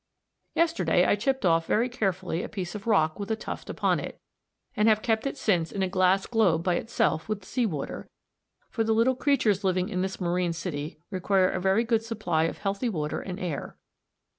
Yesterday I chipped off very carefully a piece of rock with a tuft upon it, and have kept it since in a glass globe by itself with sea water, for the little creatures living in this marine city require a very good supply of healthy water and air.